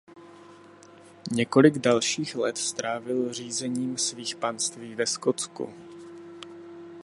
Několik dalších let strávil řízením svých panství ve Skotsku.